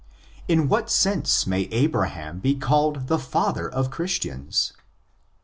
In what sense may Abraham be called the father of Christians?